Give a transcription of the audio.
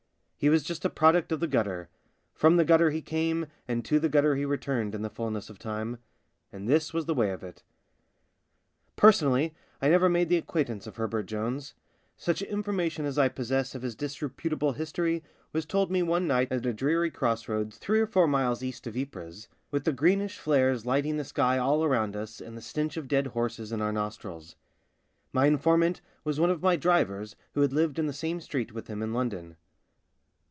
He was just a product of the gutter ; from the gutter he came and to the gutter he returned in the fullness of time. And this was the way of it. Personally I never made the acquaintance of Herbert Jones : such information as I possess of his disreputable history was told me one night at a dreary cross roads three or 63 64 THE BLACK SHEEP four miles east of Ypres, with the greenish flares lighting the sky all around us and the stench of dead horses in our nostrils. My informant was one of my drivers who had lived in the same street with him in London.